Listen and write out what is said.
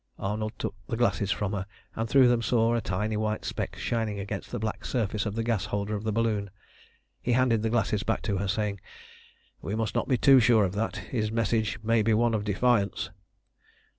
Arnold took the glasses from her, and through them saw a tiny white speck shining against the black surface of the gas holder of the balloon. He handed the glasses back to her, saying "We must not be too sure of that. His message may be one of defiance."